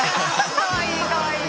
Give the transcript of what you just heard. かわいいかわいい！